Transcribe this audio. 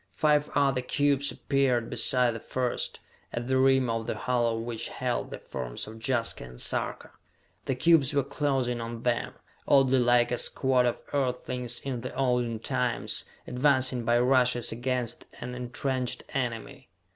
Five other cubes appeared beside the first, at the rim of the hollow which held the forms of Jaska and Sarka. The cubes were closing on them, oddly like a squad of Earthlings in the olden times, advancing by rushes against an entrenched enemy!